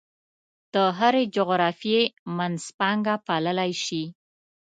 د هرې جغرافیې منځپانګه پاللی شي.